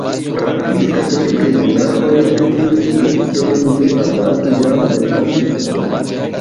Rapide, katolikaj monaĥoj akiris la titolon de "abato", jam en antikvo.